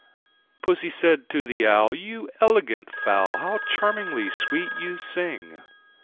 II. Pussy said to the Owl, "You elegant fowl, How charmingly sweet you sing!